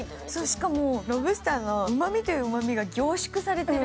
しかもロブスターのうまみといううまみが凝縮されてる。